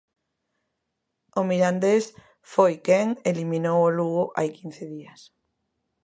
O Mirandés foi quen eliminou o Lugo hai quince días.